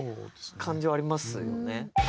感じはありますよね。